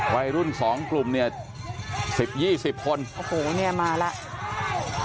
วัยรุ่นสองกลุ่มเนี่ยสิบยี่สิบคนโอ้โหเนี่ยมาแล้ว